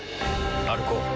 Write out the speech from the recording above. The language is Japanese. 歩こう。